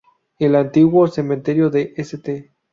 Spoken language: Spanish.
El antiguo cementerio de St.